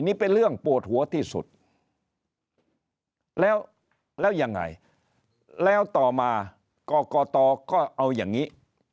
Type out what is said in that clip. นี่เป็นเรื่องปวดหัวที่สุดแล้วแล้วยังไงแล้วต่อมากรกตก็เอาอย่างนี้